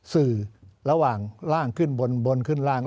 สื่อระหว่างร่างขึ้นบนบนขึ้นร่าง